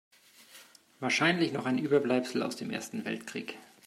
Wahrscheinlich noch ein Überbleibsel aus dem Ersten Weltkrieg.